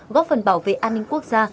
góp phần bảo vệ an ninh quốc gia